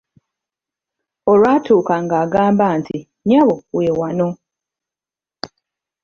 Olwatuuka ng'angamba nti, "nnyabo we wano."